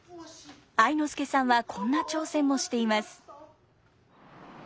愛之助さんはこんな挑戦もしています。